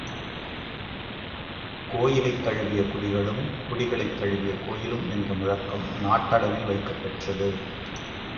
● கோயிலைத் தழுவிய குடிகளும் குடிகளைத் தழுவிய கோயிலும் என்ற முழக்கம் நாட்டளவில் வைக்கப்பெற்றது.